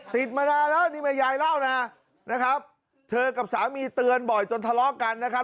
ติดมานานแล้วนี่แม่ยายเล่านะนะครับเธอกับสามีเตือนบ่อยจนทะเลาะกันนะครับ